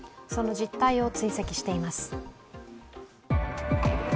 その実態を追跡しています。